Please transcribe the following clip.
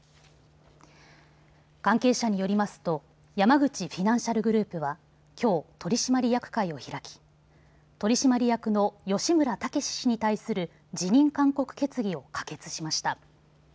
関係者によりますと山口フィナンシャルグループはきょう、取締役会を開き取締役の吉村猛氏に対する辞任勧告決議を可決しました。